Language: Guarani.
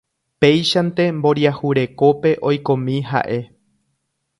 Péichante mboriahu rekópe oikomi ha'e